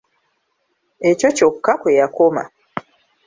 Ekyo kyokka kwe yakoma